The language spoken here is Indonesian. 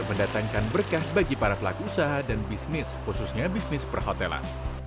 mendatangkan berkah bagi para pelaku usaha dan bisnis khususnya bisnis perhotelan